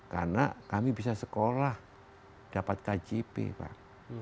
karena kami bisa sekolah dapat kjp pak